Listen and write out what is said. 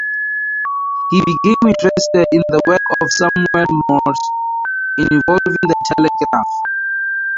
He became interested in the work of Samuel Morse involving the telegraph.